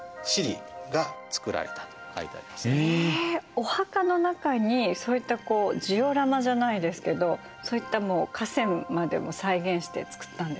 お墓の中にそういったジオラマじゃないですけどそういった河川までも再現して造ったんですか？